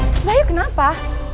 mas bayu kenapa